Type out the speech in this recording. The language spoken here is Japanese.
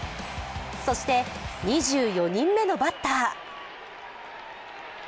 そして、２４人目のバッター。